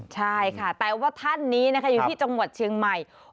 ใช่ค่ะแต่ว่าท่านนี้นะคะอยู่ที่จังหวัดเชียงใหม่